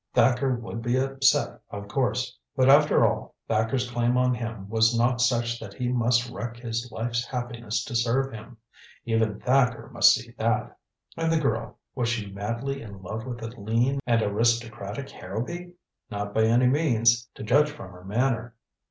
Thacker would be upset, of course. But after all, Thacker's claim on him was not such that he must wreck his life's happiness to serve him. Even Thacker must see that. And the girl was she madly in love with the lean and aristocratic Harrowby? Not by any means, to judge from her manner.